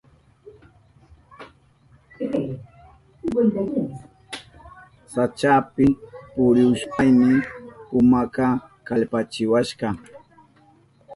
Sachapi purihushpayni pumaka kallpachiwashka.